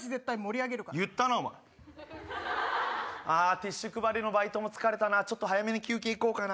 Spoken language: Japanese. ティッシュ配りのバイトも疲れたな早めに休憩行こうかな。